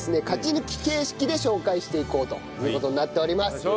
勝ち抜き形式で紹介していこうという事になっております。